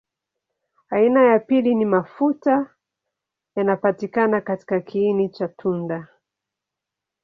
Aina ya pili ni mafuta yanapatikana katika kiini cha tunda.